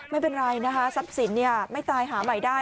ไม่เป็นไรนะคะทรัพย์สินไม่ตายหาใหม่ได้